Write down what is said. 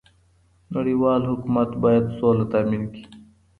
نړيوال حکومت بايد سوله تامين کړي.